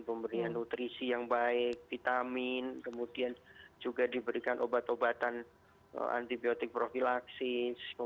pemberian nutrisi yang baik vitamin kemudian juga diberikan obat obatan antibiotik profilaksis